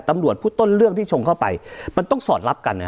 ตำรวจพูดต้นเรื่องที่ชงเข้าไปมันต้องสอดรับกัน